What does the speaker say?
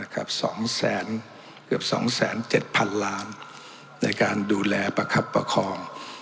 เกือบสองแสนเจ็ดพันล้านในการดูแลประคับประคอง